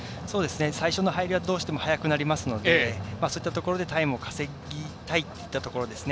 最初の入りはどうしても早くなりますのでそういったところでタイムを稼ぎたいといったところですね。